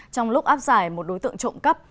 trong lúc áp giải một đối tượng trộm cắp